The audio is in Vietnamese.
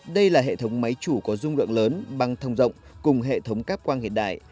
đây là hệ thống máy chủ có dung lượng lớn băng thông rộng cùng hệ thống cáp quang hiện đại